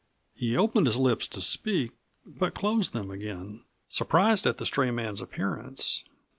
He opened his lips to speak, but closed them again, surprised at the stray man's appearance.